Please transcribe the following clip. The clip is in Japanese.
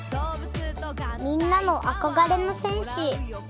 みんなのあこがれの戦士。